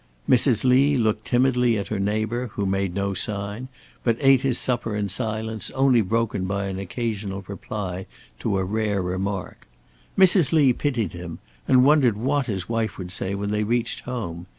Mrs. Lee looked timidly at her neighbour, who made no sign, but ate his supper in silence only broken by an occasional reply to a rare remark. Mrs. Lee pitied him, and wondered what his wife would say when they reached home.